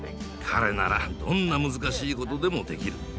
彼ならどんな難しいことでもできる。